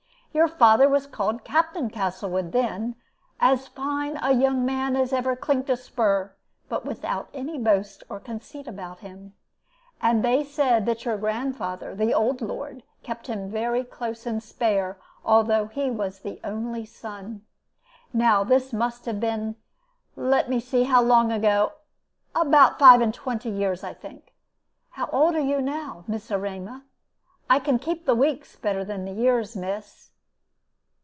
Your father was called Captain Castlewood then as fine a young man as ever clinked a spur, but without any boast or conceit about him; and they said that your grandfather, the old lord, kept him very close and spare, although he was the only son. Now this must have been let me see, how long ago? about five and twenty years, I think. How old are you now, Miss Erema? I can keep the weeks better than the years, miss."